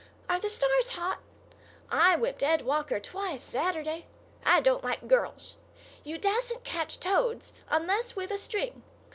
Are the stars hot? I whipped Ed Walker twice, Saturday. I don't like girls. You dassent catch toads unless with a string.